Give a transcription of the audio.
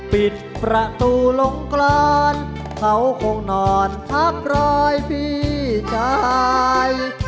ปิดประตูลงกลอนเขาคงนอนถ้าปล่อยพี่จ่าย